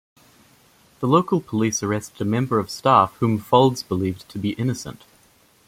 The local police arrested a member of staff whom Faulds believed to be innocent.